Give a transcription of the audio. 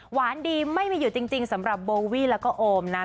หวานดีไม่มีอยู่จริงสำหรับโบวี่แล้วก็โอมนะ